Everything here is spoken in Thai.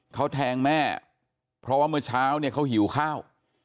เขาแทงแม่เพราะว่าเมื่อเช้าเนี่ยเขาหิวข้าว